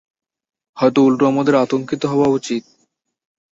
হয়তো উল্টো আমাদের আতংকিত হওয়া উচিৎ!